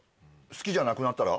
好きじゃなくなったら？